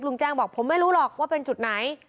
แจ้งบอกผมไม่รู้หรอกว่าเป็นจุดไหน